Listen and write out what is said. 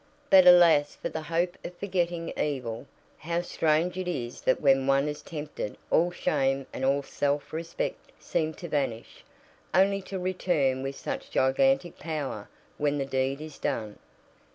But alas for the hope of forgetting evil! How strange it is that when one is tempted all shame and all self respect seem to vanish, only to return with such gigantic power when the deed is done.